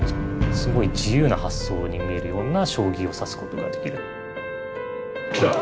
すごい自由な発想に見えるような将棋を指すことができる。